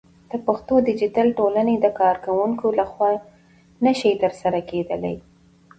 د پښتو ديجيتل ټولنې د کارکوونکو لخوا نشي ترسره کېدلى